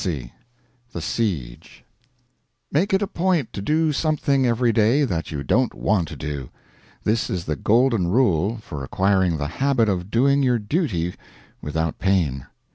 CHAPTER, LVIII. Make it a point to do something every day that you don't want to do. This is the golden rule for acquiring the habit of doing your duty without pain.